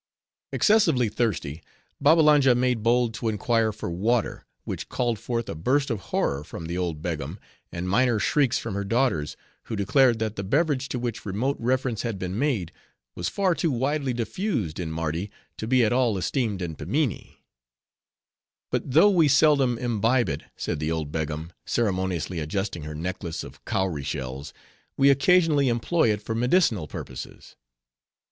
Excessively thirsty, Babbalanja made bold to inquire for water; which called forth a burst of horror from the old Begum, and minor shrieks from her daughters; who declared, that the beverage to which remote reference had been made, was far too widely diffused in Mardi, to be at all esteemed in Pimminee. "But though we seldom imbibe it," said the old Begum, ceremoniously adjusting her necklace of cowrie shells, "we occasionally employ it for medicinal purposes."